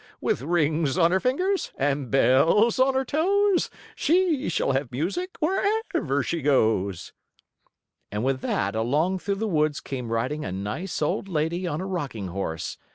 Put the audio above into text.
With rings on her fingers and bells on her toes, She shall have music wherever she goes." And with that along through the woods came riding a nice, old lady on a rocking horse.